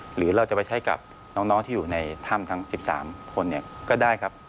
หรือเราจะไปใช้กับน้องที่อยู่ในถ้ำทั้ง๑๓คนก็ได้ครับ